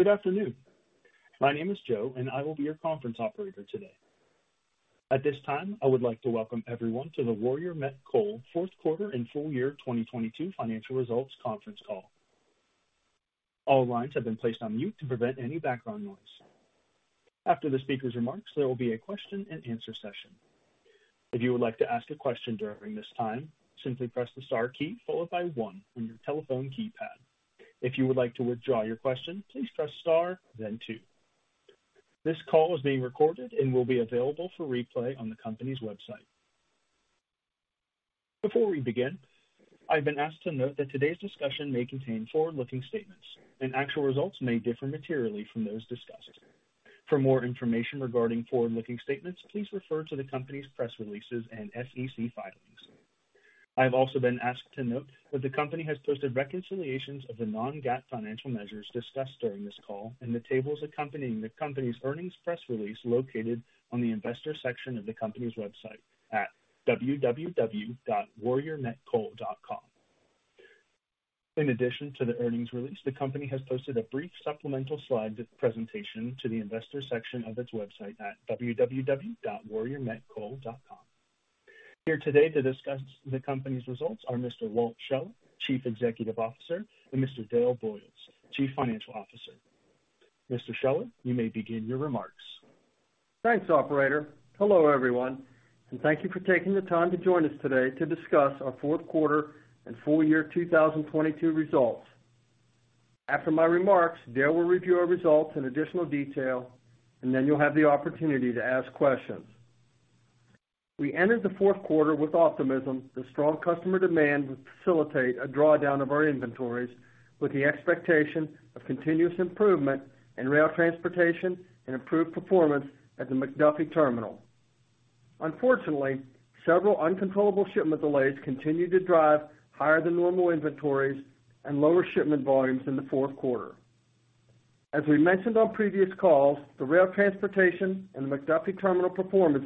Good afternoon. My name is Joe. I will be your conference operator today. At this time, I would like to welcome everyone to the Warrior Met Coal fourth quarter and full year 2022 financial results conference call. All lines have been placed on mute to prevent any background noise. After the speaker's remarks, there will be a question-and-answer session. If you would like to ask a question during this time, simply press the star key followed by 1 on your telephone keypad. If you would like to withdraw your question, please press star then 2. This call is being recorded and will be available for replay on the company's website. Before we begin, I've been asked to note that today's discussion may contain forward-looking statements, and actual results may differ materially from those discussed. For more information regarding forward-looking statements, please refer to the company's press releases and SEC filings. I've also been asked to note that the company has posted reconciliations of the non-GAAP financial measures discussed during this call in the tables accompanying the company's earnings press release located on the investor section of the company's website at www.warriormetcoal.com. In addition to the earnings release, the company has posted a brief supplemental slide presentation to the investor section of its website at www.warriormetcoal.com. Here today to discuss the company's results are Mr. Walt Scheller, Chief Executive Officer, and Mr. Dale Boyles, Chief Financial Officer. Mr. Scheller, you may begin your remarks. Thanks, operator. Hello, everyone, and thank you for taking the time to join us today to discuss our fourth quarter and full year 2022 results. After my remarks, Dale will review our results in additional detail, and then you'll have the opportunity to ask questions. We entered the fourth quarter with optimism that strong customer demand would facilitate a drawdown of our inventories with the expectation of continuous improvement in rail transportation and improved performance at the McDuffie Terminal. Unfortunately, several uncontrollable shipment delays continued to drive higher than normal inventories and lower shipment volumes in the fourth quarter. As we mentioned on previous calls, the rail transportation and the McDuffie Terminal performance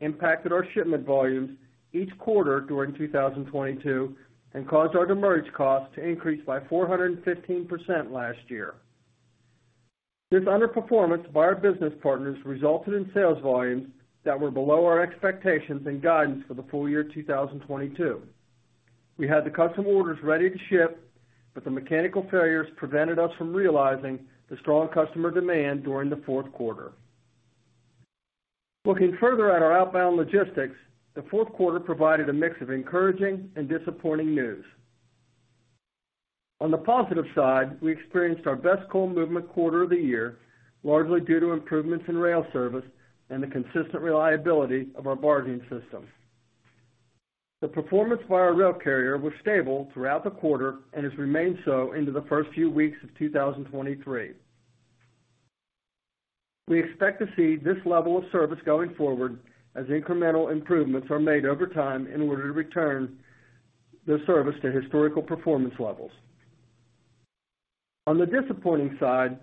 issues impacted our shipment volumes each quarter during 2022 and caused our demurrage costs to increase by 415% last year. This underperformance by our business partners resulted in sales volumes that were below our expectations and guidance for the full year 2022. We had the customer orders ready to ship, but the mechanical failures prevented us from realizing the strong customer demand during the fourth quarter. Looking further at our outbound logistics, the fourth quarter provided a mix of encouraging and disappointing news. On the positive side, we experienced our best coal movement quarter of the year, largely due to improvements in rail service and the consistent reliability of our barging system. The performance by our rail carrier was stable throughout the quarter and has remained so into the first few weeks of 2023. We expect to see this level of service going forward as incremental improvements are made over time in order to return the service to historical performance levels. On the disappointing side,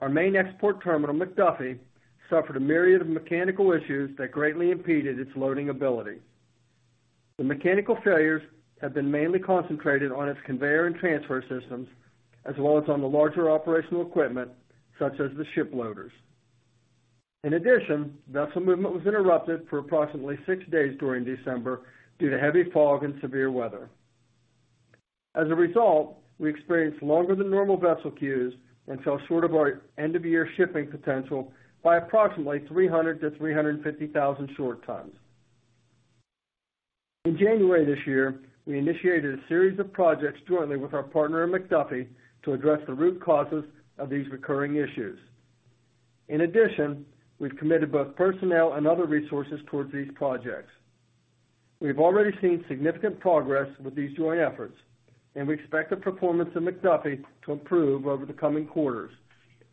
our main export terminal, McDuffie, suffered a myriad of mechanical issues that greatly impeded its loading ability. The mechanical failures have been mainly concentrated on its conveyor and transfer systems, as well as on the larger operational equipment, such as the ship loaders. In addition, vessel movement was interrupted for approximately six days during December due to heavy fog and severe weather. As a result, we experienced longer than normal vessel queues and fell short of our end-of-year shipping potential by approximately 300,000-350,000 short tons. In January this year, we initiated a series of projects jointly with our partner at McDuffie to address the root causes of these recurring issues. In addition, we've committedbothpersonnel and other resources towards these projects. We've already seen significant progress with these joint efforts, and we expect the performance of McDuffie to improve over the coming quarters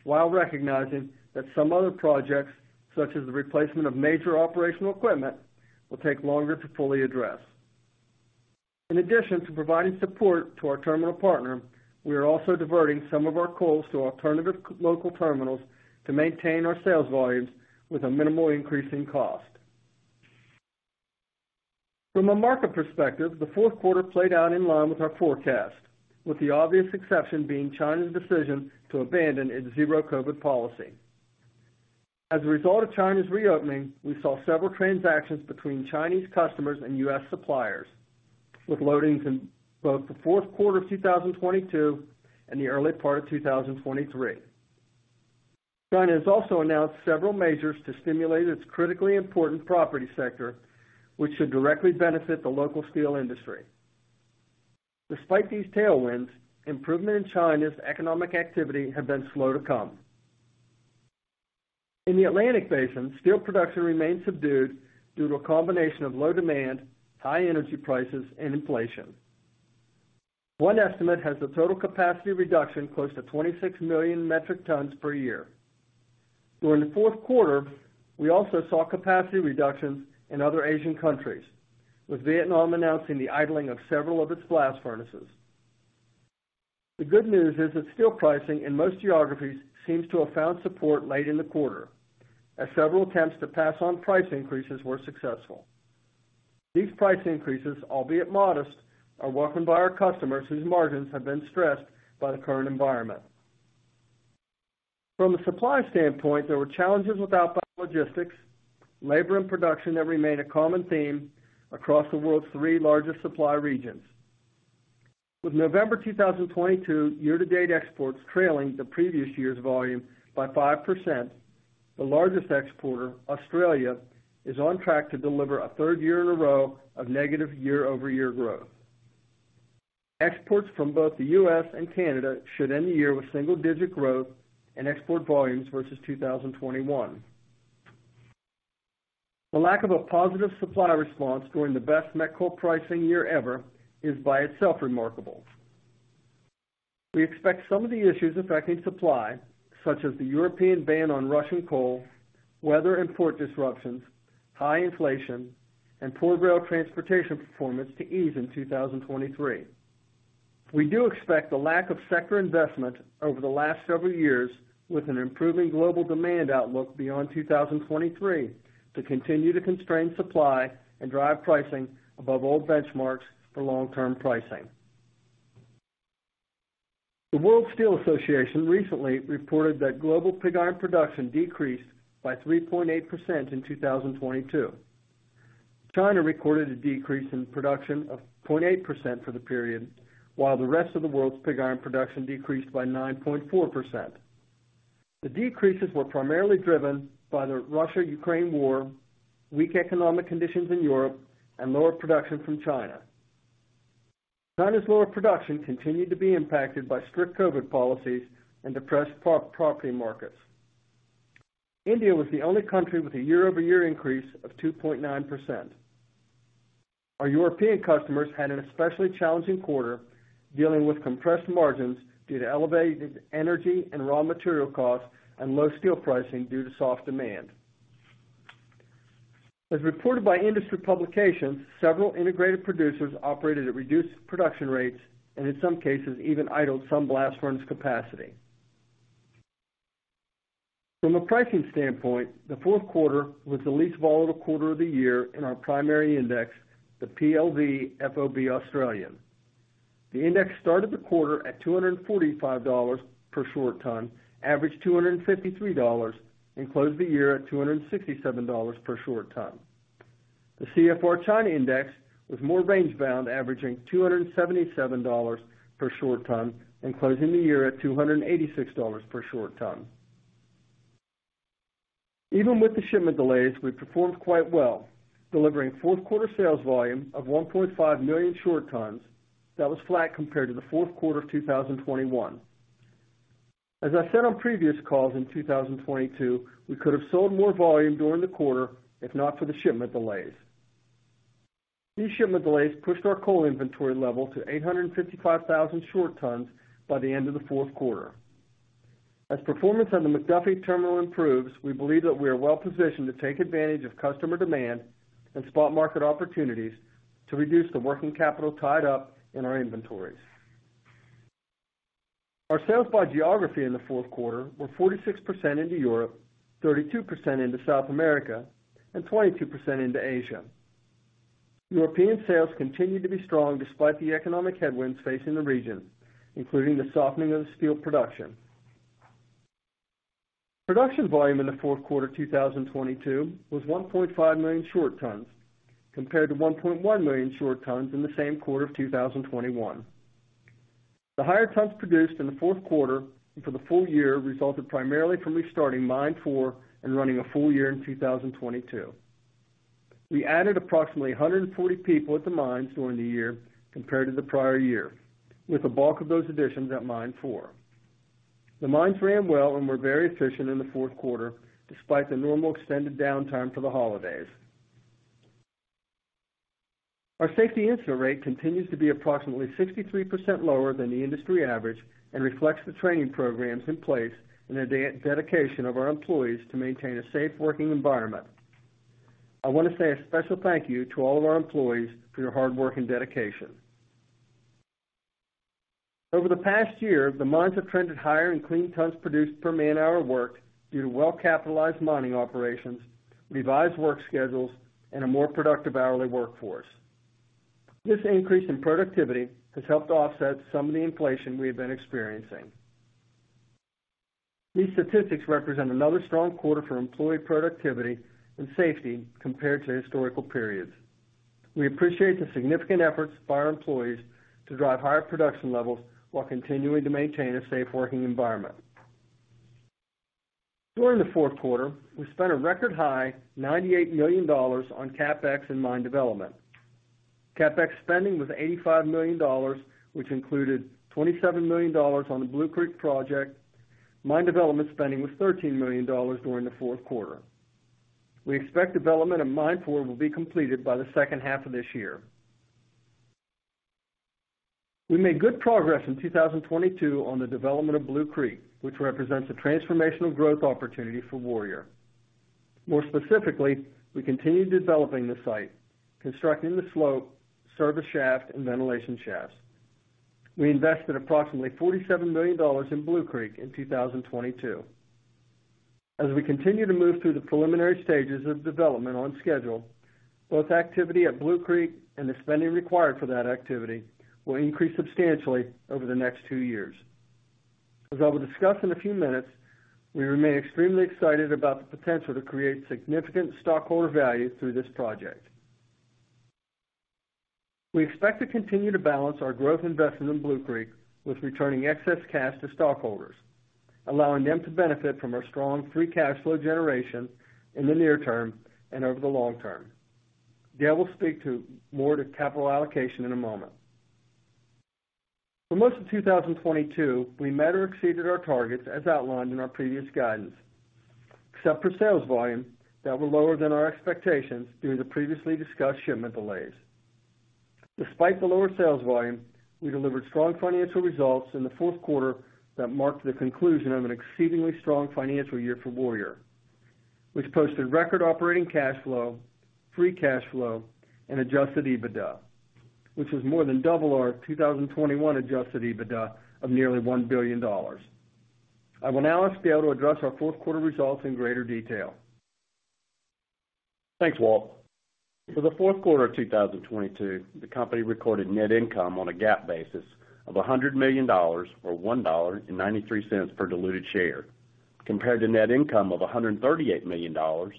while recognizing that some other projects, such as the replacement of major operational equipment, will take longer to fully address. In addition to providing support to our terminal partner, we are also diverting some of our coals to alternative local terminals to maintain our sales volumes with a minimal increase in cost. From a market perspective, the fourth quarter played out in line with our forecast, with the obvious exception being China's decision to abandon its Zero-COVID policy. As a result of China's reopening, we saw several transactions between Chinese customers and U.S. suppliers, with loadings in both the fourth quarter of 2022 and the early part of 2023. China has also announced several measures to stimulate its critically important property sector, which should directly benefit the local steel industry. Despite these tailwinds, improvement in China's economic activity have been slow to come. In the Atlantic Basin, steel production remained subdued due to a combination of low demand, high energy prices, and inflation. One estimate has the total capacity reduction close to 26 million metric tons per year. During the fourth quarter, we also saw capacity reductions in other Asian countries, with Vietnam announcing the idling of several of its blast furnaces. The good news is that steel pricing in most geographies seems to have found support late in the quarter, as several attempts to pass on price increases were successful. These price increases, albeit modest, are welcomed by our customers whose margins have been stressed by the current environment. From a supply standpoint, there were challenges with outbound logistics, labor, and production that remained a common theme across the world's three largest supply regions. With November 2022 year-to-date exports trailing the previous year's volume by 5%, the largest exporter, Australia, is on track to deliver a third year in a row of negative year-over-year growth. Exports from both the U.S. and Canada should end the year with single-digit growth in export volumes versus 2021. The lack of a positive supply response during the best met coal pricing year ever is by itself remarkable. We expect some of the issues affecting supply, such as the European ban on Russian coal, weather and port disruptions, high inflation, and poor rail transportation performance to ease in 2023. We do expect the lack of sector investment over the last several years with an improving global demand outlook beyond 2023 to continue to constrain supply and drive pricing above all benchmarks for long-term pricing. The World Steel Association recently reported that global pig iron production decreased by 3.8% in 2022. China recorded a decrease in production of 0.8% for the period, while the rest of the world's pig iron production decreased by 9.4%. The decreases were primarily driven by the Russia-Ukraine war, weak economic conditions in Europe, and lower production from China. China's lower production continued to be impacted by strict COVID policies and depressed property markets. India was the only country with a year-over-year increase of 2.9%. Our European customers had an especially challenging quarter, dealing with compressed margins due to elevated energy and raw material costs and low steel pricing due to soft demand. As reported by industry publications, several integrated producers operated at reduced production rates, and in some cases, even idled some blast furnace capacity. From a pricing standpoint, the fourth quarter was the least volatile quarter of the year in our primary index, the PLV FOB Australia. The index started the quarter at $245 per short ton, averaged $253, and closed the year at $267 per short ton. The CFR China index was more range-bound, averaging $277 per short ton and closing the year at $286 per short ton. Even with the shipment delays, we performed quite well, delivering fourth quarter sales volume of 1.5 million short tons that was flat compared to the fourth quarter of 2021. As I said on previous calls in 2022, we could have sold more volume during the quarter if not for the shipment delays. These shipment delays pushed our coal inventory level to 855,000 short tons by the end of the fourth quarter. As performance on the McDuffie Terminal improves, we believe that we are well-positioned to take advantage of customer demand and spot market opportunities to reduce the working capital tied up in our inventories. Our sales by geography in the fourth quarter were 46% into Europe, 32% into South America, and 22% into Asia. European sales continued to be strong despite the economic headwinds facing the region, including the softening of the steel production. Production volume in the fourth quarter 2022 was 1.5 million short tons compared to 1.1 million short tons in the same quarter of 2021. The higher tons produced in the fourth quarter and for the full year resulted primarily from restarting Mine 4 and running a full year in 2022. We added approximately 140 people at the mines during the year compared to the prior year. With the bulk of those additions at Mine 4. The mines ran well and were very efficient in the fourth quarter despite the normal extended downtime for the holidays. Our safety incident rate continues to be approximately 63% lower than the industry average and reflects the training programs in place and the dedication of our employees to maintain a safe working environment. I wanna say a special thank you to all of our employees for your hard work and dedication. Over the past year, the mines have trended higher in clean tons produced per man-hour worked due to well-capitalized mining operations, revised work schedules, and a more productive hourly workforce. This increase in productivity has helped to offset some of the inflation we have been experiencing. These statistics represent another strong quarter for employee productivity and safety compared to historical periods. We appreciate the significant efforts by our employees to drive higher production levels while continuing to maintain a safe working environment. During the fourth quarter, we spent a record high $98 million on CapEx and mine development. CapEx spending was $85 million, which included $27 million on the Blue Creek project. Mine development spending was $13 million during the fourth quarter. We expect development of mine 4 will be completed by the second half of this year. We made good progress in 2022 on the development of Blue Creek, which represents a transformational growth opportunity for Warrior. More specifically, we continued developing the site, constructing the slope, service shaft, and ventilation shafts. We invested approximately $47 million in Blue Creek in 2022. As we continue to move through the preliminary stages of development on schedule, both activity at Blue Creek and the spending required for that activity will increase substantially over the next two years. As I will discuss in a few minutes, we remain extremely excited about the potential to create significant stockholder value through this project. We expect to continue to balance our growth investment in Blue Creek with returning excess cash to stockholders, allowing them to benefit from our strong free cash flow generation in the near term and over the long term. Dale will speak to more to capital allocation in a moment. For most of 2022, we met or exceeded our targets as outlined in our previous guidance, except for sales volume that were lower than our expectations due to previously discussed shipment delays. Despite the lower sales volume, we delivered strong financial results in the fourth quarter that marked the conclusion of an exceedingly strong financial year for Warrior, which posted record operating cash flow, free cash flow and adjusted EBITDA, which was more than double our 2021 adjusted EBITDA of nearly $1 billion. I will now ask Dale to address our fourth quarter results in greater detail. Thanks, Walt. For the fourth quarter of 2022, the company recorded net income on a GAAP basis of $100 million or $1.93 per diluted share, compared to net income of $138 million or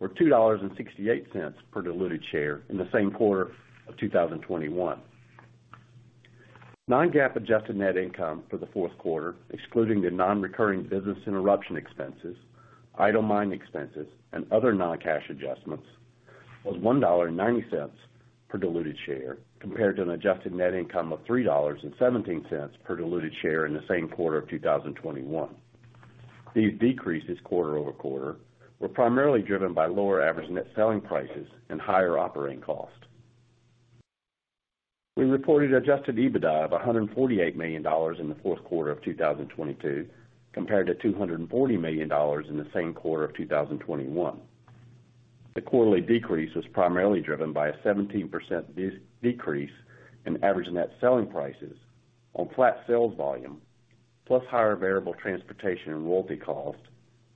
$2.68 per diluted share in the same quarter of 2021. Non-GAAP adjusted net income for the fourth quarter, excluding the non-recurring business interruption expenses, idle mine expenses, and other non-cash adjustments, was $1.90 per diluted share compared to an adjusted net income of $3.17 per diluted share in the same quarter of 2021. These decreases quarter-over-quarter were primarily driven by lower average net selling prices and higher operating costs. We reported adjusted EBITDA of $148 million in the fourth quarter of 2022 compared to $240 million in the same quarter of 2021. The quarterly decrease was primarily driven by a 17% decrease in average net selling prices on flat sales volume, plus higher variable transportation and royalty costs,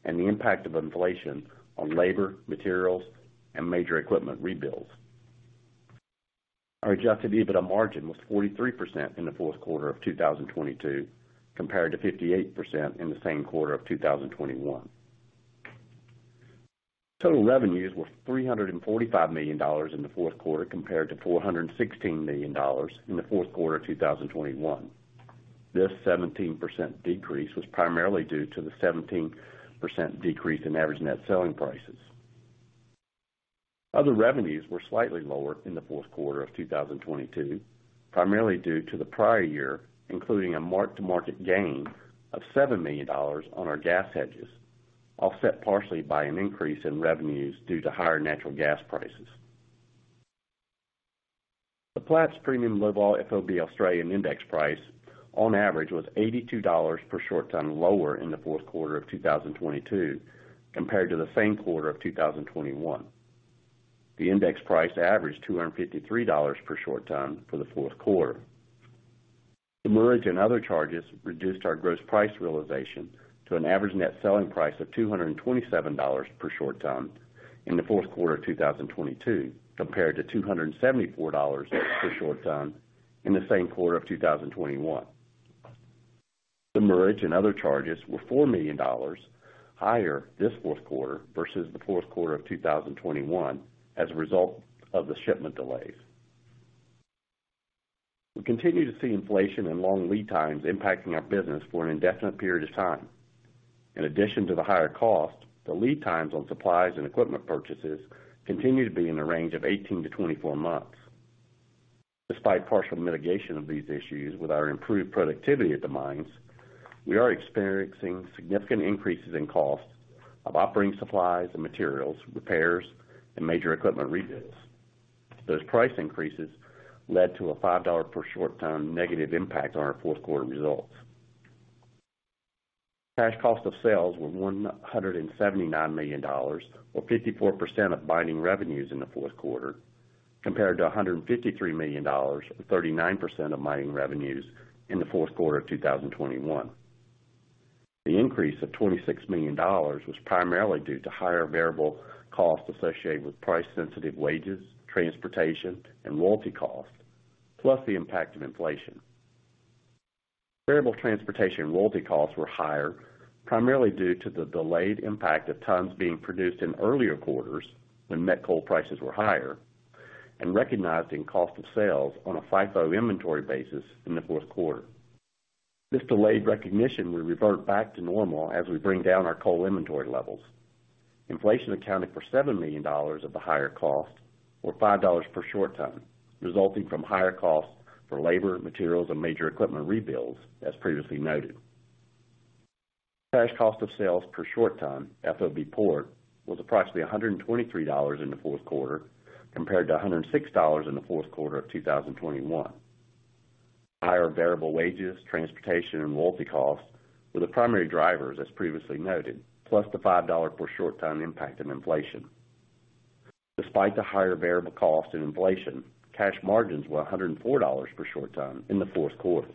and the impact of inflation on labor, materials, and major equipment rebuilds. Our adjusted EBITDA margin was 43% in the fourth quarter of 2022, compared to 58% in the same quarter of 2021. Total revenues were $345 million in the fourth quarter compared to $416 million in the fourth quarter of 2021. This 17% decrease was primarily due to the 17% decrease in average net selling prices. Other revenues were slightly lower in the fourth quarter of 2022, primarily due to the prior year, including a mark-to-market gain of $7 million on our gas hedges, offset partially by an increase in revenues due to higher natural gas prices. The Platts Premium Low Vol FOB Australian index price on average was $82 per short ton lower in the fourth quarter of 2022 compared to the same quarter of 2021. The index price averaged $253 per short ton for the fourth quarter. Demurrage and other charges reduced our gross price realization to an average net selling price of $227 per short ton in the fourth quarter of 2022, compared to $274 per short ton in the same quarter of 2021. Demurrage and other charges were $4 million higher this fourth quarter versus the fourth quarter of 2021 as a result of the shipment delays. We continue to see inflation and long lead times impacting our business for an indefinite period of time. In addition to the higher cost, the lead times on supplies and equipment purchases continue to be in the range of 18-24 months. Despite partial mitigation of these issues with our improved productivity at the mines, we are experiencing significant increases in cost of operating supplies and materials, repairs, and major equipment rebuilds. Those price increases led to a $5 per short ton negative impact on our fourth quarter results. Cash cost of sales were $179 million, or 54% of mining revenues in the fourth quarter, compared to $153 million, 39% of mining revenues in the fourth quarter of 2021. The increase of $26 million was primarily due to higher variable costs associated with price sensitive wages, transportation, and royalty costs, plus the impact of inflation. Variable transportation and royalty costs were higher, primarily due to the delayed impact of tons being produced in earlier quarters when met coal prices were higher, and recognizing cost of sales on a FIFO inventory basis in the fourth quarter. This delayed recognition will revert back to normal as we bring down our coal inventory levels. Inflation accounted for $7 million of the higher cost or $5 per short ton, resulting from higher costs for labor, materials, and major equipment rebuilds, as previously noted. Cash cost of sales per short ton FOB port was approximately $123 in the fourth quarter compared to $106 in the fourth quarter of 2021. Higher variable wages, transportation and royalty costs were the primary drivers as previously noted, plus the $5 per short ton impact of inflation. Despite the higher variable cost and inflation, cash margins were $104 per short ton in the fourth quarter.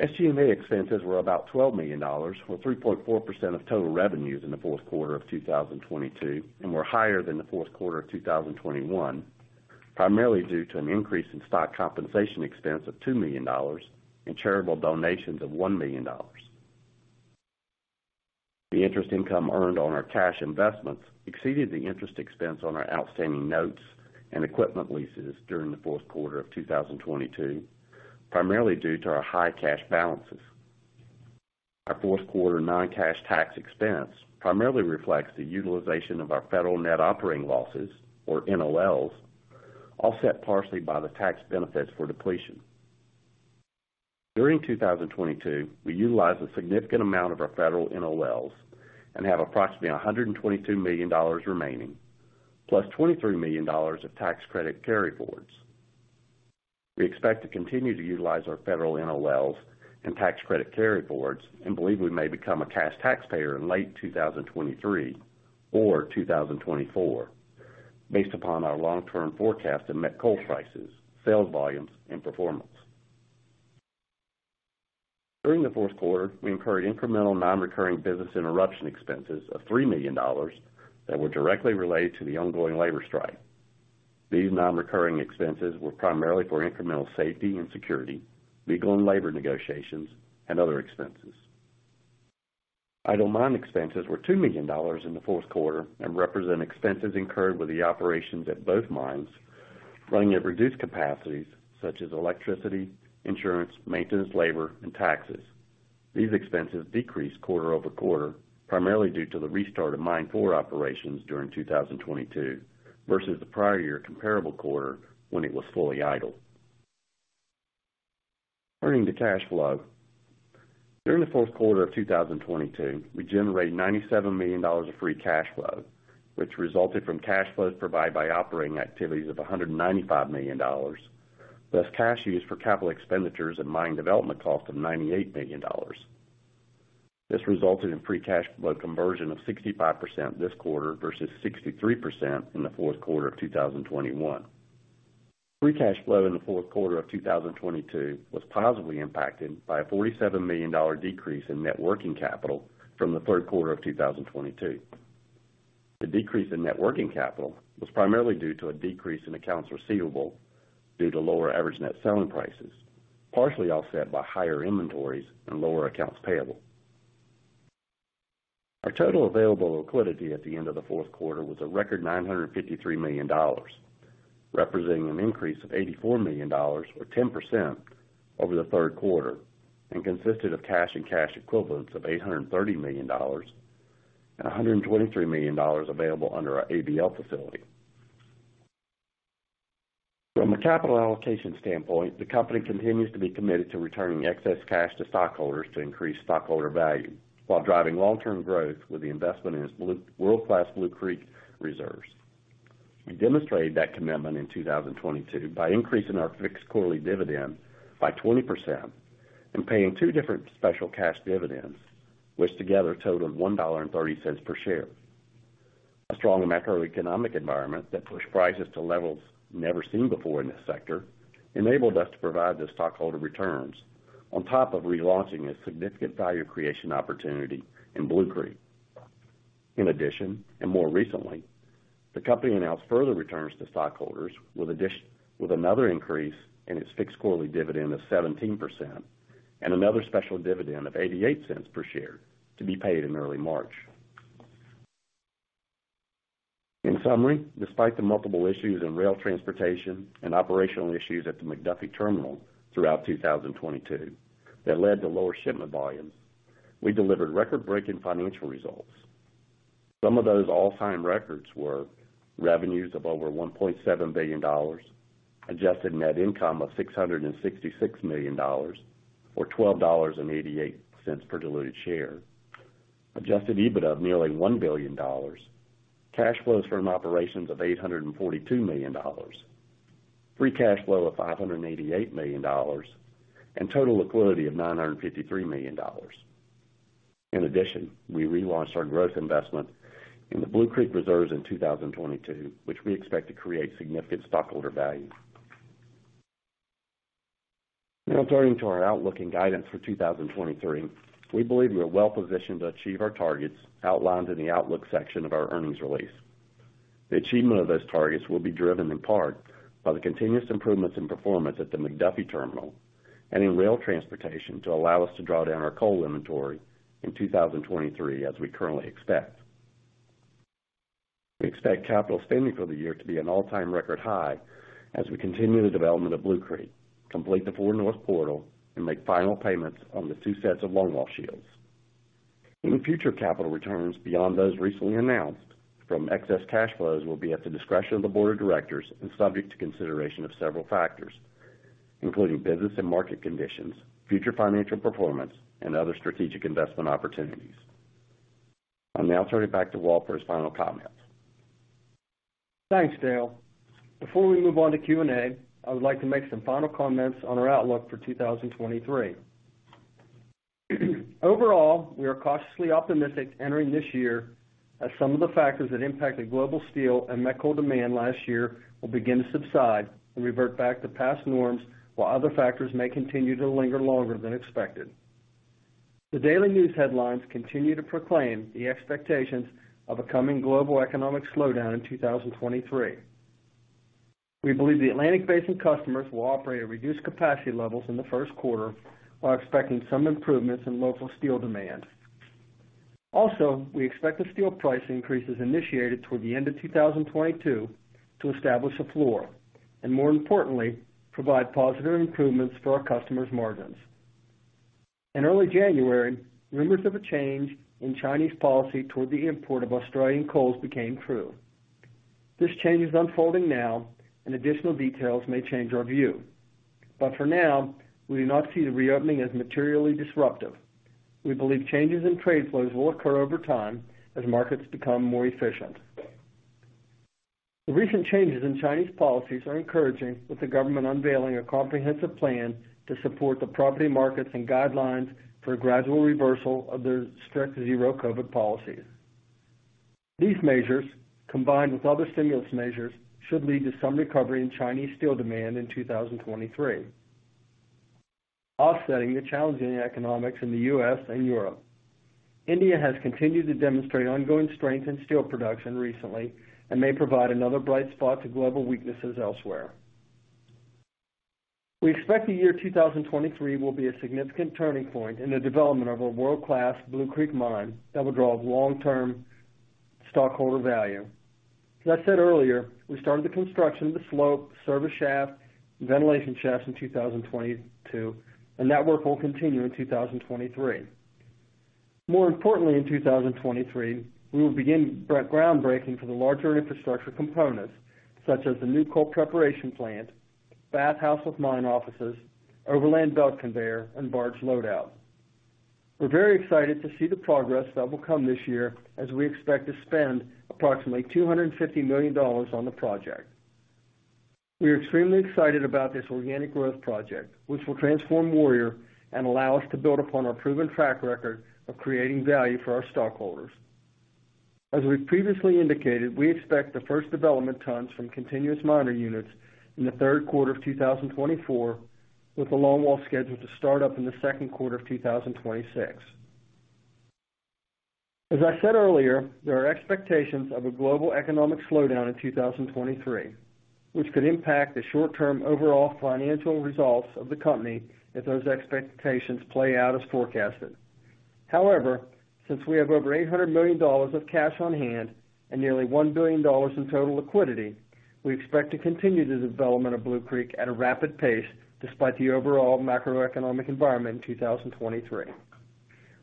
SG&A expenses were about $12 million, or 3.4% of total revenues in the fourth quarter of 2022, and were higher than the fourth quarter of 2021, primarily due to an increase in stock compensation expense of $2 million and charitable donations of $1 million. The interest income earned on our cash investments exceeded the interest expense on our outstanding notes and equipment leases during the fourth quarter of 2022, primarily due to our high cash balances. Our fourth quarter non-cash tax expense primarily reflects the utilization of our federal Net Operating Losses, or NOLs, offset partially by the tax benefits for depletion. During 2022, we utilized a significant amount of our federal NOLs and have approximately $122 million remaining, plus $23 million of tax credit carryforwards. We expect to continue to utilize our federal NOLs and tax credit carryforwards and believe we may become a cash taxpayer in late 2023 or 2024 based upon our long-term forecast in met coal prices, sales volumes and performance. During the fourth quarter, we incurred incremental non-recurring business interruption expenses of $3 million that were directly related to the ongoing labor strike. These non-recurring expenses were primarily for incremental safety and security, legal and labor negotiations, and other expenses. Idle mine expenses were $2 million in the fourth quarter and represent expenses incurred with the operations at both mines running at reduced capacities such as electricity, insurance, maintenance, labor, and taxes. These expenses decreased quarter-over-quarter, primarily due to the restart of Mine 4 operations during 2022 versus the prior year comparable quarter when it was fully idle. Turning to cash flow. During the fourth quarter of 2022, we generated $97 million of free cash flow, which resulted from cash flows provided by operating activities of $195 million, plus cash used for CapEx and mine development cost of $98 million. This resulted in free cash flow conversion of 65% this quarter versus 63% in the fourth quarter of 2021. Free cash flow in the fourth quarter of 2022 was positively impacted by a $47 million decrease in net working capital from the third quarter of 2022. The decrease in net working capital was primarily due to a decrease in accounts receivable due to lower average net selling prices, partially offset by higher inventories and lower accounts payable. Our total available liquidity at the end of the fourth quarter was a record $953 million, representing an increase of $84 million or 10% over the third quarter, and consisted of cash and cash equivalents of $830 million and $123 million available under our ABL facility. From a capital allocation standpoint, the company continues to be committed to returning excess cash to stockholders to increase stockholder value while driving long-term growth with the investment in its world-class Blue Creek reserves. We demonstrated that commitment in 2022 by increasing our fixed quarterly dividend by 20% and paying two different special cash dividends, which together totaled $1.30 per share. A strong macroeconomic environment that pushed prices to levels never seen before in this sector enabled us to provide the stockholder returns on top of relaunching a significant value creation opportunity in Blue Creek. In addition, more recently, the company announced further returns to stockholders with another increase in its fixed quarterly dividend of 17% and another special dividend of $0.88 per share to be paid in early March. In summary, despite the multiple issues in rail transportation and operational issues at the McDuffie Terminal throughout 2022 that led to lower shipment volumes, we delivered record-breaking financial results. Some of those all-time records were revenues of over $1.7 billion, adjusted net income of $666 million or $12.88 per diluted share, adjusted EBITDA of nearly $1 billion, cash flows from operations of $842 million, free cash flow of $588 million, and total liquidity of $953 million. In addition, we relaunched our growth investment in the Blue Creek reserves in 2022, which we expect to create significant stockholder value. Turning to our outlook and guidance for 2023. We believe we are well positioned to achieve our targets outlined in the outlook section of our earnings release. The achievement of those targets will be driven in part by the continuous improvements in performance at the McDuffie Terminal and in rail transportation to allow us to draw down our coal inventory in 2023, as we currently expect. We expect capital spending for the year to be an all-time record high as we continue the development of Blue Creek, complete the 4 North Portal and make final payments on the 2 sets of longwall shields. Any future capital returns beyond those recently announced from excess cash flows will be at the discretion of the board of directors and subject to consideration of several factors, including business and market conditions, future financial performance, and other strategic investment opportunities. I'll now turn it back to Walt for his final comments. Thanks, Dale. Before we move on to Q&A, I would like to make some final comments on our outlook for 2023. Overall, we are cautiously optimistic entering this year as some of the factors that impacted global steel and met coal demand last year will begin to subside and revert back to past norms while other factors may continue to linger longer than expected. The daily news headlines continue to proclaim the expectations of a coming global economic slowdown in 2023. We believe the Atlantic Basin customers will operate at reduced capacity levels in the first quarter while expecting some improvements in local steel demand. We expect the steel price increases initiated toward the end of 2022 to establish a floor, and more importantly, provide positive improvements for our customers' margins. In early January, rumors of a change in Chinese policy toward the import of Australian coals became true. This change is unfolding now, and additional details may change our view. For now, we do not see the reopening as materially disruptive. We believe changes in trade flows will occur over time as markets become more efficient. The recent changes in Chinese policies are encouraging, with the government unveiling a comprehensive plan to support the property markets and guidelines for a gradual reversal of their strict Zero-COVID policies. These measures, combined with other stimulus measures, should lead to some recovery in Chinese steel demand in 2023, offsetting the challenging economics in the U.S. and Europe. India has continued to demonstrate ongoing strength in steel production recently and may provide another bright spot to global weaknesses elsewhere. We expect the year 2023 will be a significant turning point in the development of a world-class Blue Creek mine that will draw long-term stockholder value. As I said earlier, we started the construction of the slope, service shaft, ventilation shafts in 2022, and that work will continue in 2023. More importantly, in 2023, we will begin groundbreaking for the larger infrastructure components such as the new coal preparation plant, bathhouse with mine offices, overland belt conveyor, and barge loadout. We're very excited to see the progress that will come this year as we expect to spend approximately $250 million on the project. We are extremely excited about this organic growth project, which will transform Warrior and allow us to build upon our proven track record of creating value for our stockholders. As we previously indicated, we expect the first development tons from continuous miner units in the 3rd quarter of 2024, with the longwall scheduled to start up in the 2nd quarter of 2026. As I said earlier, there are expectations of a global economic slowdown in 2023, which could impact the short-term overall financial results of the company if those expectations play out as forecasted. Since we have over $800 million of cash on hand and nearly $1 billion in total liquidity, we expect to continue the development of Blue Creek at a rapid pace despite the overall macroeconomic environment in 2023.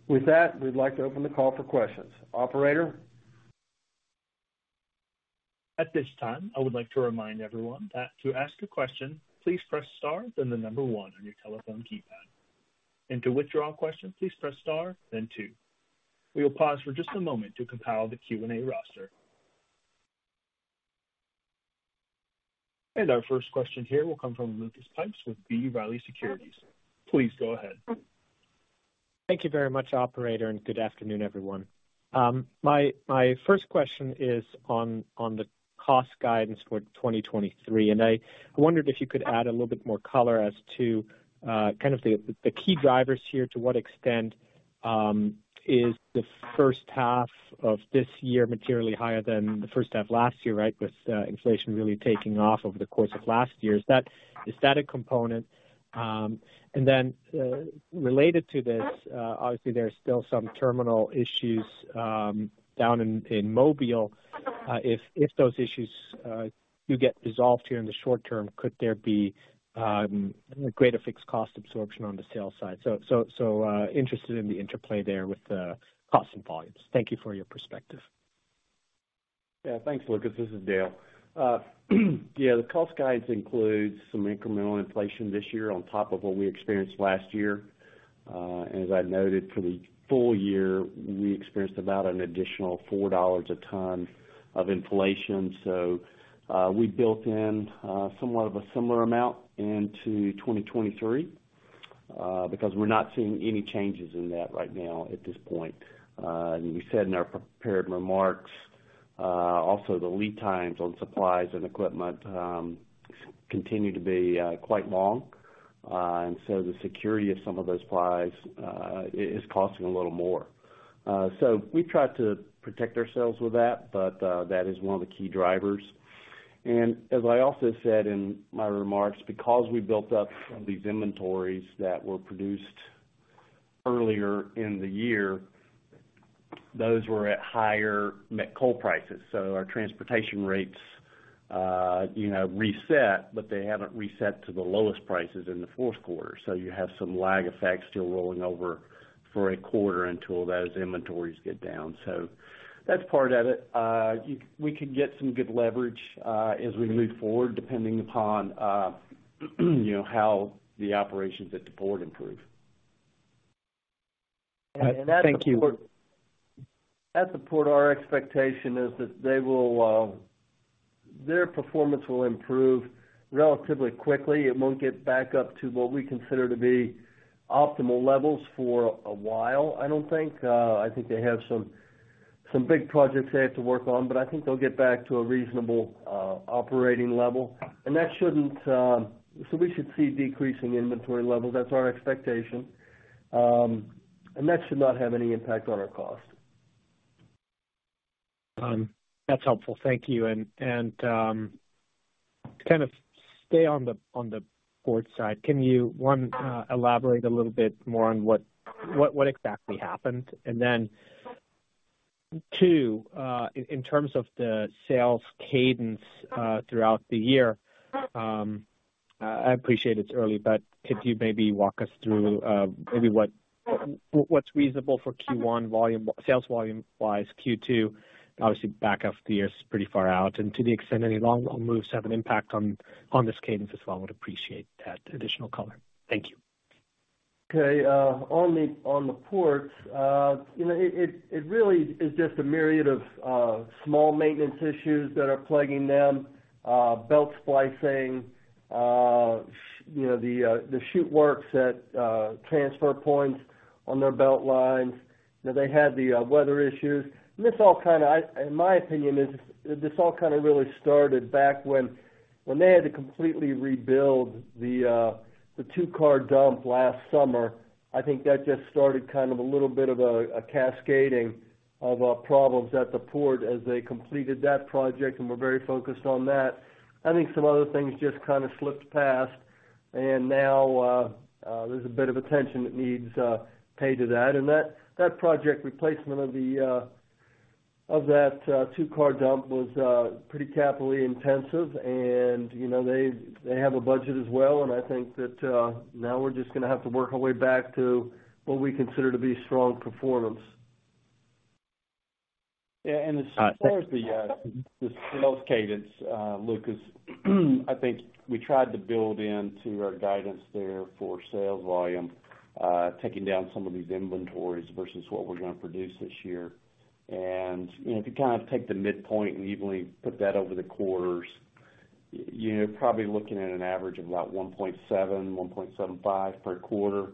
With that, we'd like to open the call for questions. Operator? At this time, I would like to remind everyone that to ask a question, please press star, then 1 on your telephone keypad. To withdraw a question, please press star, then 2. We will pause for just a moment to compile the Q&A roster. Our first question here will come from Lucas Pipes with B. Riley Securities. Please go ahead. Thank you very much, operator, and good afternoon, everyone. My first question is on the cost guidance for 2023, and I wondered if you could add a little bit more color as to kind of the key drivers here, to what extent is the first half of this year materially higher than the first half last year, right? With inflation really taking off over the course of last year. Is that a static component? Related to this, obviously there are still some terminal issues down in Mobile. If those issues do get resolved here in the short term, could there be a greater fixed cost absorption on the sales side? Interested in the interplay there with the cost and volumes. Thank you for your perspective. Thanks, Lucas. This is Dale. The cost guides includes some incremental inflation this year on top of what we experienced last year. As I noted for the full year, we experienced about an additional $4 a ton of inflation. We built in somewhat of a similar amount into 2023 because we're not seeing any changes in that right now at this point. We said in our prepared remarks, also the lead times on supplies and equipment continue to be quite long. The security of some of those supplies is costing a little more. We try to protect ourselves with that is one of the key drivers. As I also said in my remarks, because we built up some of these inventories that were produced earlier in the year, those were at higher met coal prices. Our transportation rates, you know, reset, but they haven't reset to the lowest prices in the fourth quarter. You have some lag effects still rolling over for a quarter until those inventories get down. That's part of it. We could get some good leverage as we move forward, depending upon, you know, how the operations at Deboard improve. That support our expectation is that they will, their performance will improve relatively quickly. It won't get back up to what we consider to be optimal levels for a while, I don't think. I think they have some big projects they have to work on, but I think they'll get back to a reasonable operating level. We should see decreasing inventory levels. That's our expectation. That should not have any impact on our cost. That's helpful. Thank you. To kind of stay on the, on the port side, can you, one, elaborate a little bit more on what, what exactly happened? Two, in terms of the sales cadence, throughout the year, I appreciate it's early, but could you maybe walk us through, maybe what's reasonable for Q1 volume, sales volume-wise, Q2, obviously back half of the year is pretty far out. To the extent any long-term moves have an impact on this cadence as well, I would appreciate that additional color. Thank you. Okay, on the ports, you know, it really is just a myriad of small maintenance issues that are plaguing them. Belt splicing, you know, the chute works at transfer points on their belt lines. You know, they had the weather issues. This all kind of, in my opinion, really started back when they had to completely rebuild the two-car dump last summer. I think that just started kind of a little bit of a cascading of problems at the port as they completed that project and were very focused on that. I think some other things just kind of slipped past. Now, there's a bit of attention that needs paid to that. That project replacement of that two-car dump was, pretty capitally intensive. You know, they have a budget as well. I think that, now we're just gonna have to work our way back to what we consider to be strong performance. As far as the sales cadence, Lucas, I think we tried to build into our guidance there for sales volume, taking down some of these inventories versus what we're gonna produce this year. You know, if you kind of take the midpoint and evenly put that over the quarters, you're probably looking at an average of about 1.7, 1.75 per quarter.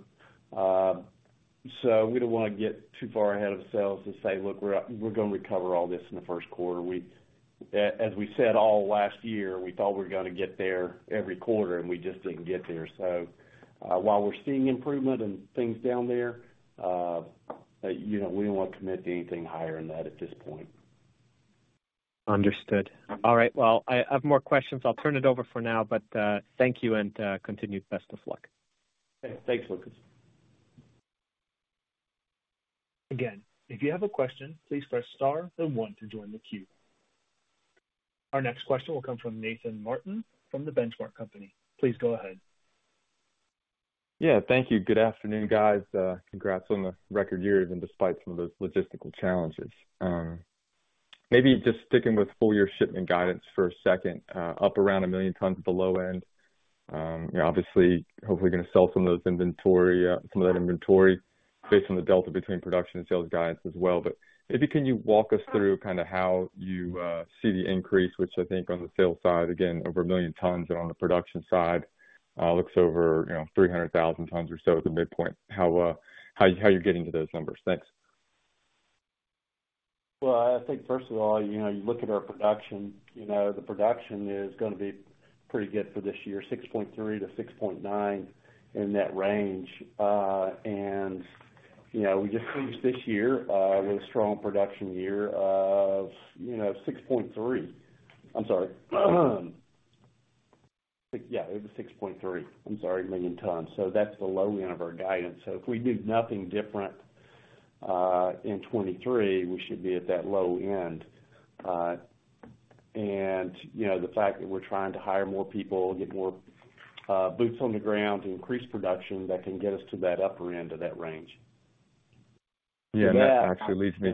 We don't wanna get too far ahead of ourselves and say, "Look, we're gonna recover all this in the first quarter." As we said all last year, we thought we're gonna get there every quarter, and we just didn't get there. While we're seeing improvement and things down there, you know, we don't want to commit to anything higher than that at this point. Understood. All right, well, I have more questions. I'll turn it over for now. Thank you and continued best of luck. Thanks, Lucas. Again, if you have a question, please press star then one to join the queue. Our next question will come from Nathan Martin from The Benchmark Company. Please go ahead. Yeah, thank you. Good afternoon, guys. Congrats on the record years and despite some of those logistical challenges. Maybe just sticking with full year shipment guidance for a second, up around 1 million tons at the low end. You're obviously, hopefully gonna sell some of those inventory, some of that inventory based on the delta between production and sales guidance as well. Maybe can you walk us through kind of how you see the increase, which I think on the sales side, again, over 1 million tons are on the production side, looks over, you know, 300,000 tons or so at the midpoint. How are you getting to those numbers? Thanks. Well, I think first of all, you know, you look at our production, you know, the production is gonna be pretty good for this year, 6.3 to 6.9 in that range. You know, we just finished this year with a strong production year of, you know, 6.3. I'm sorry. Yeah, it was 6.3, I'm sorry, million tons. That's the low end of our guidance. If we do nothing different, in 2023, we should be at that low end. You know, the fact that we're trying to hire more people, get more, boots on the ground to increase production, that can get us to that upper end of that range. Yeah, that actually leads me-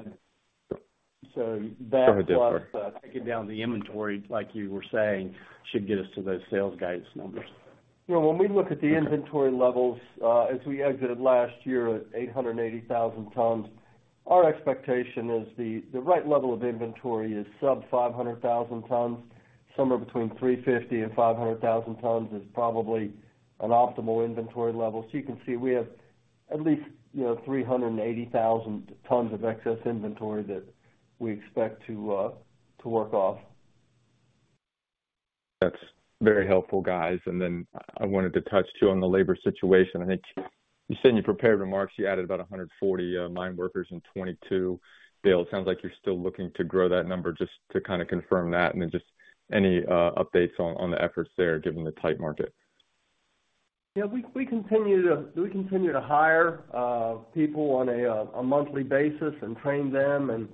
that plus- Sorry. Go for it. -taking down the inventory, like you were saying, should get us to those sales guidance numbers. You know, when we look at the inventory levels, as we exited last year at 880,000 tons, our expectation is the right level of inventory is sub 500,000 tons. Somewhere between 350 and 500,000 tons is probably an optimal inventory level. You can see, we have at least, you know, 380,000 tons of excess inventory that we expect to work off. That's very helpful, guys. I wanted to touch too on the labor situation. I think you said in your prepared remarks you added about 140 mine workers in 2022. Dale, it sounds like you're still looking to grow that number just to kind of confirm that, and then just any updates on the efforts there given the tight market? Yeah, we continue to hire people on a monthly basis and train them and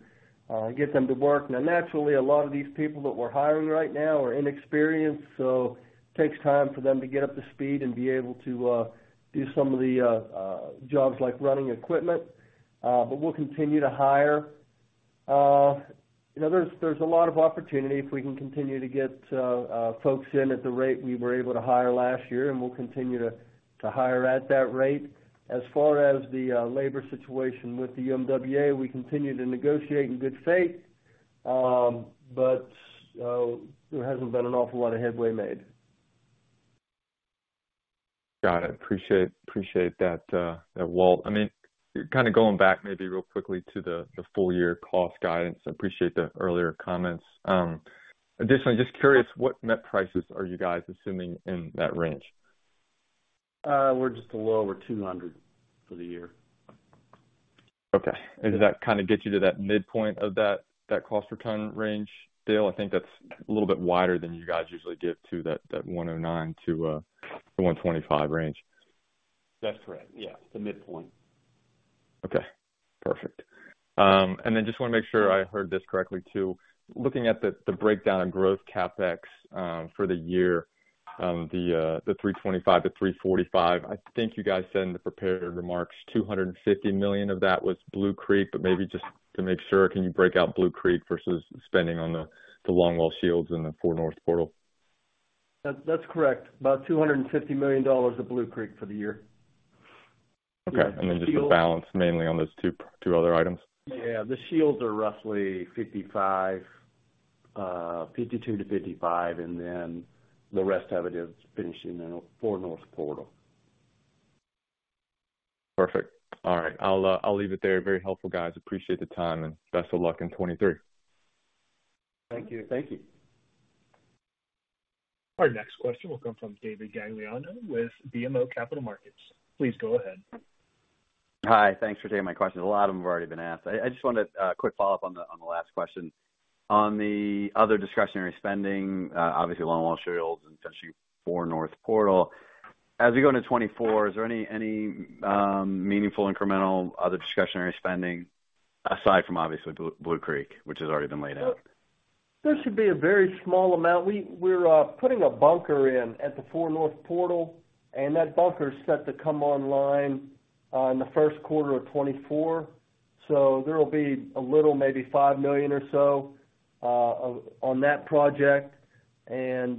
get them to work. Now naturally, a lot of these people that we're hiring right now are inexperienced, so it takes time for them to get up to speed and be able to do some of the jobs like running equipment. We'll continue to hire. You know, there's a lot of opportunity if we can continue to get folks in at the rate we were able to hire last year, and we'll continue to hire at that rate. As far as the labor situation with the UMWA, we continue to negotiate in good faith. There hasn't been an awful lot of headway made. Got it. Appreciate that, Walt. I mean, kind of going back maybe real quickly to the full year cost guidance. I appreciate the earlier comments. Additionally, just curious what net prices are you guys assuming in that range? We're just a little over $200 for the year. Okay. Does that kind of get you to that midpoint of that cost per ton range, Dale? I think that's a little bit wider than you guys usually give to that $109-$125 range. That's correct. Yeah. The midpoint. Okay. Perfect. Just wanna make sure I heard this correctly too. Looking at the breakdown in growth CapEx for the year, the $325 million-$345 million, I think you guys said in the prepared remarks $250 million of that was Blue Creek. Maybe just to make sure, can you break out Blue Creek versus spending on the longwall shields and the 4 North Portal? That's correct. About $250 million of Blue Creek for the year. Okay. Just the balance mainly on those two other items. Yeah. The Shields are roughly 55, 52 to 55, and then the rest of it is finishing the 4 North Portal. Perfect. All right, I'll leave it there. Very helpful guys. Appreciate the time and best of luck in 2023. Thank you. Thank you. Our next question will come from David Gagliano with BMO Capital Markets. Please go ahead. Hi. Thanks for taking my questions. A lot of them have already been asked. I just wanted a quick follow-up on the last question. On the other discretionary spending, obviously longwall shields and finishing 4 North Portal, as we go into 2024, is there any meaningful incremental other discretionary spending aside from obviously Blue Creek, which has already been laid out? There should be a very small amount. We're putting a bunker in at the 4 North Portal. That bunker is set to come online in the first quarter of 2024. There'll be a little, maybe $5 million or so, on that project. You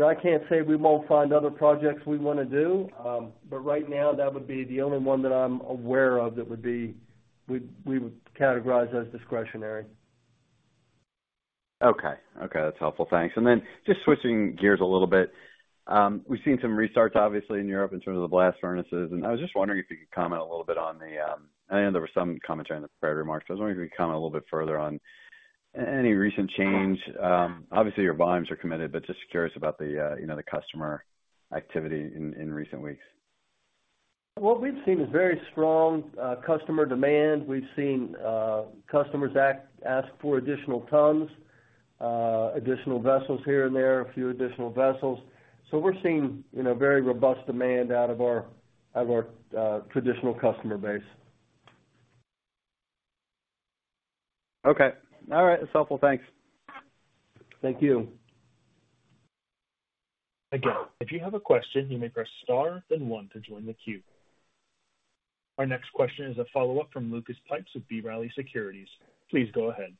know, I can't say we won't find other projects we wanna do. Right now that would be the only one that I'm aware of that we would categorize as discretionary. Okay. Okay. That's helpful. Thanks. Just switching gears a little bit. We've seen some restarts obviously in Europe in terms of the blast furnaces, and I was just wondering if you could comment a little bit on the. I know there were some commentary in the prior remarks, but I was wondering if you could comment a little bit further on any recent change. Obviously your volumes are committed, but just curious about the, you know, the customer activity in recent weeks. What we've seen is very strong, customer demand. We've seen, customers ask for additional tons, additional vessels here and there, a few additional vessels. We're seeing, you know, very robust demand out of our, traditional customer base. Okay. All right. That's helpful. Thanks. Thank you. Again, if you have a question, you may press star then one to join the queue. Our next question is a follow-up from Lucas Pipes with B. Riley Securities. Please go ahead.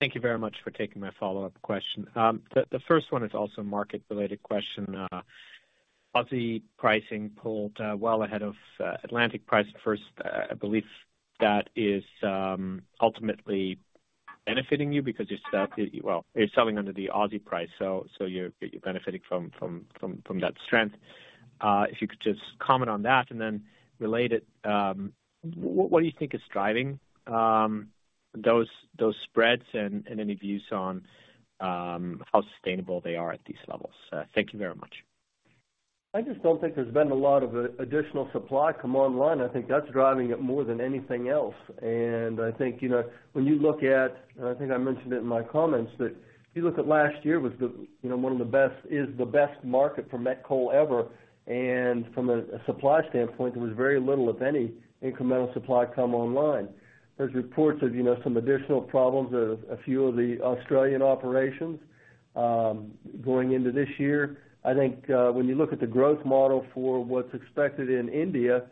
Thank you very much for taking my follow-up question. The first one is also a market related question. Aussie pricing pulled well ahead of Atlantic price first. I believe that is ultimately benefiting you because well, you're selling under the Aussie price, so you're benefiting from that strength. If you could just comment on that and then related, what do you think is driving those spreads and any views on how sustainable they are at these levels? Thank you very much. I just don't think there's been a lot of additional supply come online. I think that's driving it more than anything else. I think, you know, when you look at, and I think I mentioned it in my comments, that if you look at last year was the, you know, is the best market for met coal ever. From a supply standpoint, there was very little, if any, incremental supply come online. There's reports of, you know, some additional problems at a few of the Australian operations going into this year. I think, when you look at the growth model for what's expected in India,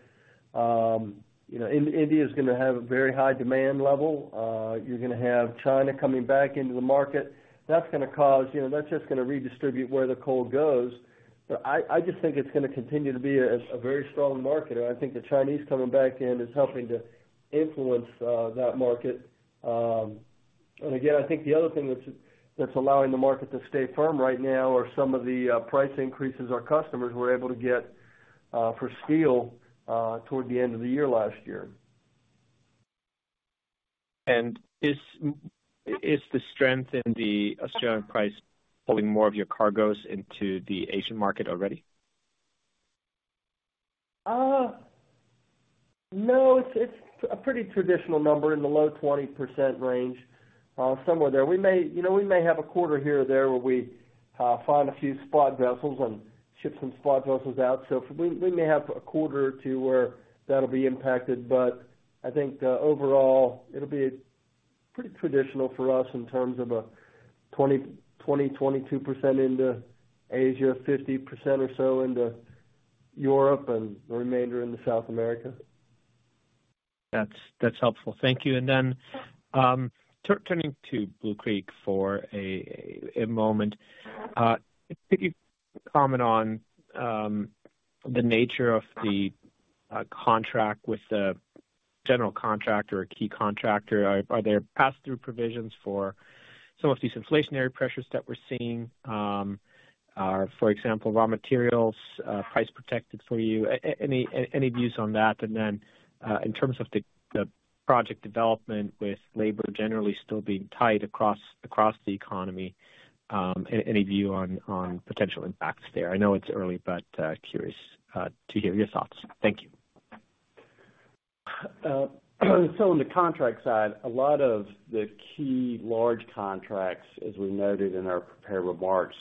you know, India is gonna have a very high demand level. You're gonna have China coming back into the market. That's gonna cause, you know, that's just gonna redistribute where the coal goes. I just think it's gonna continue to be a very strong market. I think the Chinese coming back in is helping to influence that market. Again, I think the other thing that's allowing the market to stay firm right now are some of the price increases our customers were able to get for steel toward the end of the year last year. Is the strength in the Australian price pulling more of your cargoes into the Asian market already? No. It's a pretty traditional number in the low 20% range, somewhere there. We may, you know, we may have a quarter here or there where we find a few spot vessels and ship some spot vessels out. We may have a quarter or two where that'll be impacted, but I think overall it'll be pretty traditional for us in terms of a 20%, 20%, 22% into Asia, 50% or so into Europe and the remainder in the South America. That's helpful. Thank you. Turning to Blue Creek for a moment. If you could comment on the nature of the contract with the general contractor or key contractor. Are there pass-through provisions for some of these inflationary pressures that we're seeing, for example, raw materials, price protected for you? Any views on that? In terms of the project development with labor generally still being tight across the economy, any view on potential impacts there? I know it's early, but curious to hear your thoughts. Thank you. On the contract side, a lot of the key large contracts, as we noted in our prepared remarks,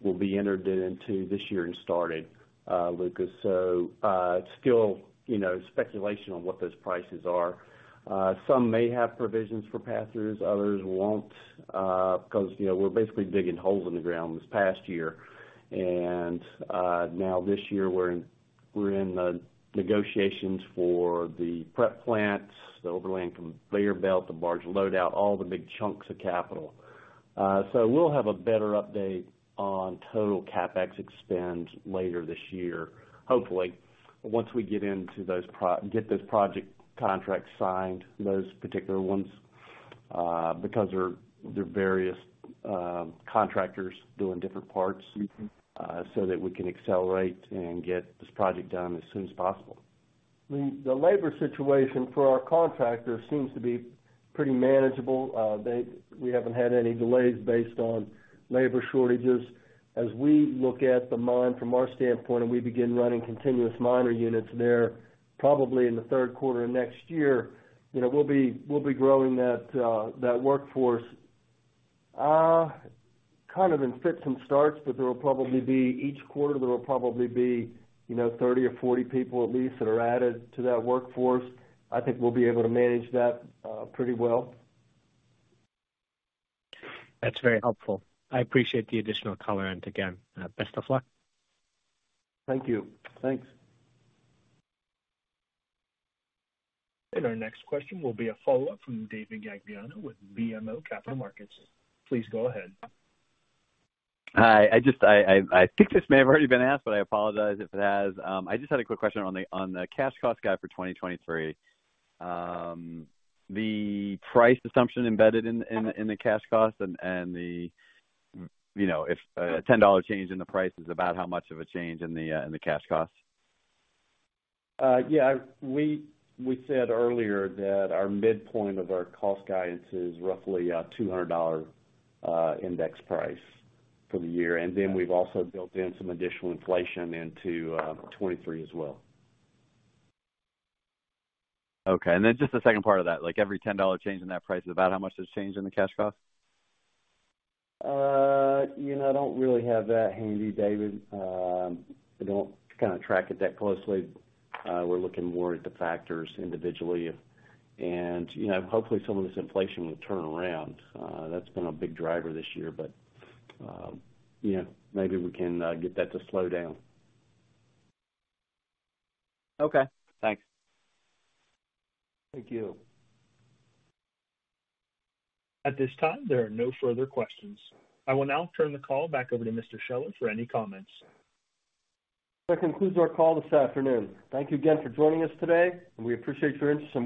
will be entered into this year and started, Lucas. It's still, you know, speculation on what those prices are. Some may have provisions for passers, others won't, because, you know, we're basically digging holes in the ground this past year. Now this year we're in the negotiations for the prep plants, the overland conveyor belt, the barge loadout, all the big chunks of capital. We'll have a better update on total CapEx spend later this year, hopefully, once we get into those get those project contracts signed, those particular ones, because they're various contractors doing different parts, so that we can accelerate and get this project done as soon as possible. The labor situation for our contractors seems to be pretty manageable. We haven't had any delays based on labor shortages. As we look at the mine from our standpoint, we begin running continuous miner units there, probably in the third quarter of next year, you know, we'll be growing that workforce kind of in fits and starts, each quarter there will probably be, you know, 30 or 40 people at least that are added to that workforce. I think we'll be able to manage that pretty well. That's very helpful. I appreciate the additional color. Again, best of luck. Thank you. Thanks. Our next question will be a follow-up from David Gagliano with BMO Capital Markets. Please go ahead. Hi. I just think this may have already been asked, but I apologize if it has. I just had a quick question on the cash cost guide for 2023. The price assumption embedded in the cash cost and the, you know, if a $10 change in the price is about how much of a change in the cash cost? Yeah, we said earlier that our midpoint of our cost guidance is roughly a $200 index price for the year. We've also built in some additional inflation into 2023 as well. Okay. Then just the second part of that, like every $10 change in that price is about how much does it change in the cash cost? You know, I don't really have that handy, David. We don't kinda track it that closely. We're looking more at the factors individually and, you know, hopefully some of this inflation will turn around. That's been a big driver this year, but, you know, maybe we can get that to slow down. Okay. Thanks. Thank you. At this time, there are no further questions. I will now turn the call back over to Mr. Scheller for any comments. That concludes our call this afternoon. Thank you again for joining us today, and we appreciate your interest.